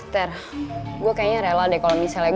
ter gua kayaknya rela deh kalo misalnya